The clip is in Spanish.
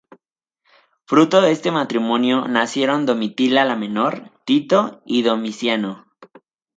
Fruto de este matrimonio nacieron Domitila la Menor, Tito y Domiciano.